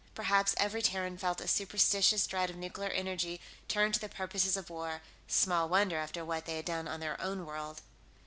Perhaps every Terran felt a superstitious dread of nuclear energy turned to the purposes of war; small wonder, after what they had done on their own world.